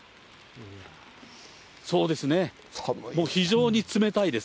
そうですね、もう非常に冷たいです。